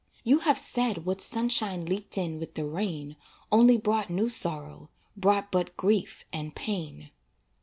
You have said what sunshine Leaked in with the rain Only brought new sorrow, Brought but grief and pain.